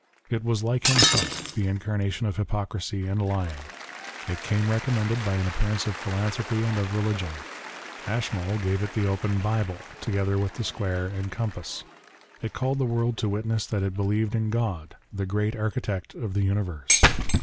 It was like himself, the incarnation of hypocrisy and lying. It came recommended by an appearance of philanthropy and of religion. Ashmole gave it the open Bible, together with the square and compass. It called the world to witness that it believed in God, " the great Architect of the Universe."